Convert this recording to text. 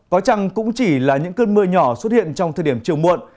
có chăng cũng chỉ là những cơn mưa nhỏ xuất hiện trong thời điểm chiều muộn